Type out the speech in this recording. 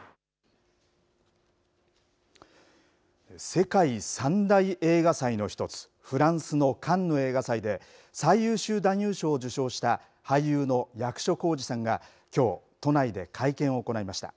世界３大映画祭の１つ、フランスのカンヌ映画祭で、最優秀男優賞を受賞した、俳優の役所広司さんが、きょう、都内で会見を行いました。